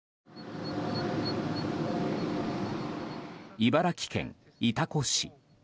茨城県潮来市。